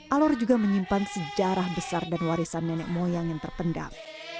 alor juga menyimpan sejarah besar dan warisan nenek moyang yang terpendam